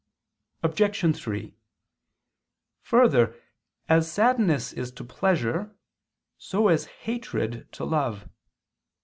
Obj. 3: Further, as sadness is to pleasure, so is hatred to love.